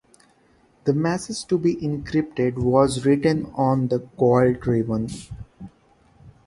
The message to be encrypted was written on the coiled ribbon.